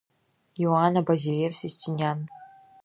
Иоанн абазилевс Иустиниан.